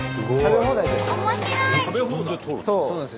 面白い！